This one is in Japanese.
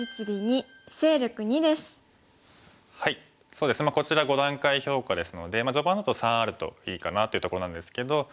そうですねこちら５段階評価ですので序盤だと３あるといいかなというところなんですけど。